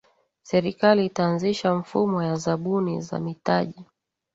serikali itaanzisha mfumo ya zabuni za mitaji